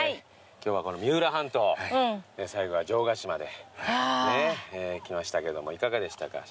今日はこの三浦半島最後は城ヶ島で来ましたけどもいかがでしたか柴田さん。